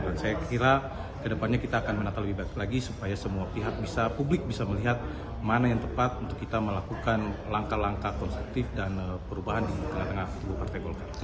dan saya kira ke depannya kita akan menata lebih baik lagi supaya semua pihak bisa publik bisa melihat mana yang tepat untuk kita melakukan langkah langkah konstruktif dan perubahan di tengah tengah ketua partai golkar